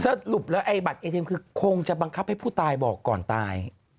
สรุปแล้วไอ้บัตรเอทีมคือคงจะบังคับให้ผู้ตายบอกก่อนตาย